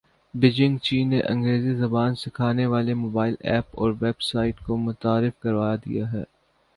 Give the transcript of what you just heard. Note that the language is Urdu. بیجنگ چین نے انگریزی زبان سکھانے والی موبائل ایپ اور ویب سایٹ کو متعارف کروا دیا ہے